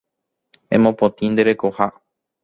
Emopotĩ nde rekoha